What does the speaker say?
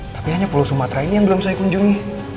tapi hanya pulau sumatera ini yang belum saya kunjungi